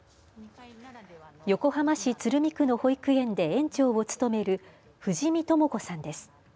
横浜市鶴見区の保育園で園長を務める藤實智子さんです。